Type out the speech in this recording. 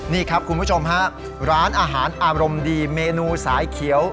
นี่ครับคุณผู้ชมฮะร้านอาหารอารมณ์ดีเมนูสายเขียว